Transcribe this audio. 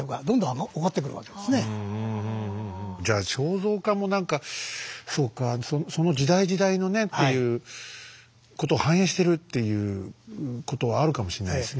そのつくったあるいはあるいはじゃあ肖像画も何かそうかその時代時代のねっていうことを反映してるっていうことはあるかもしれないですね。